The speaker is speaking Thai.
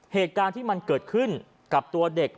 เหตุการณ์ที่มันเกิดขึ้นกับตัวเด็ก